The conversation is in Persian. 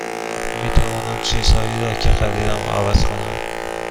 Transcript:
می توانم چیزهایی را که خریدم عوض کنم؟